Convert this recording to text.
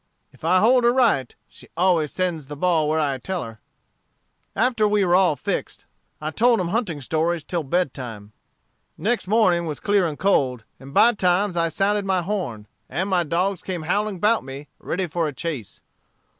If I hold her right, she always sends the ball where I tell her, After we were all fixed, I told 'em hunting stories till bedtime. "Next morning was clear and cold, and by times I sounded my horn, and my dogs came howling 'bout me, ready for a chase.